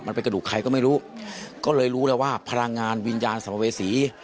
ไปดูใครก็ไม่รู้ก็เลยรู้แล้วว่าพลังงานวิญญาณสัมภเวษี